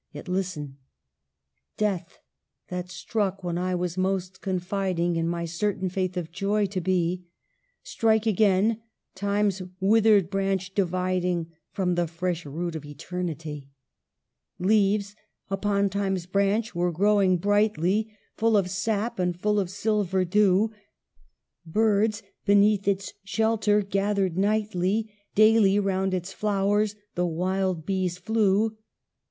Yet listen —" Death ! that struck when I was most confiding In my certain faith of joy to be — Strike again, Time's withered branch dividing From the fresh root of Eternity !" Leaves, upon Time's branch, were growing brightly, Full of sap, and full of silver dew ; Birds beneath its shelter gathered nightly; Daily round its flowe/s the wild bees flew.